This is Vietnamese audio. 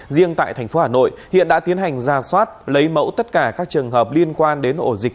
riêng tại thành phố hà nội hiện đã tiến hành ra soát lấy mẫu tất cả các trường hợp liên quan đến ổ dịch